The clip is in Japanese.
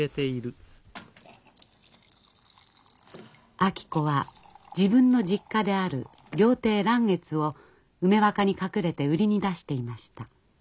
明子は自分の実家である料亭嵐月を梅若に隠れて売りに出していました。